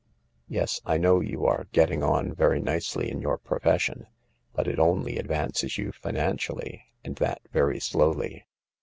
Yes, I know you are getting on very nicely in your profession, but it only advances you financially, and that very slowly.